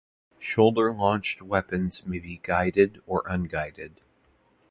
Shoulder-launched weapons may be guided or unguided.